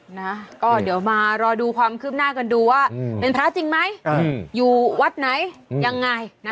นะก็เดี๋ยวมารอดูความคืบหน้ากันดูว่าเป็นพระจริงไหมอยู่วัดไหนยังไงนะ